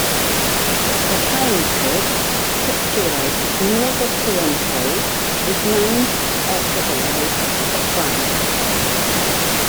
The township, situated north of Toronto, is named after the Lake of Bays.